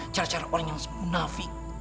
cara cara orang yang munafik